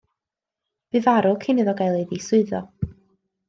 Bu farw cyn iddo gael ei ddiswyddo.